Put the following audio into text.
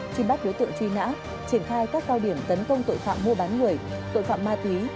truy bắt đối tượng truy nã triển khai các cao điểm tấn công tội phạm mua bán người tội phạm ma túy